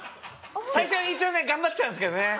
最初は一応ね頑張ってたんですけどね。